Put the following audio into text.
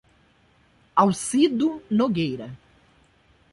Alcido Nogueira